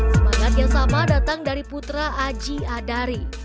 semangat yang sama datang dari putra aji adari